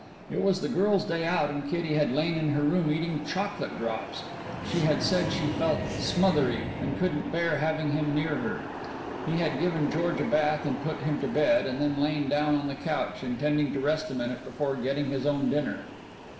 It was the girl's day out and Kitty had lain in her room eating chocolate drops. She had said she felt "smothery" and couldn't bear having him near her. He had given George a bath and put him to bed, and then lain down on the couch intending to rest a minute before getting his own dinner.